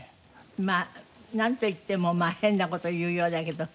まあなんといっても変な事言うようだけど。